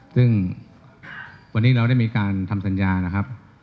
ซึ่งวันนี้เราได้มีการทำสัญญานะครับ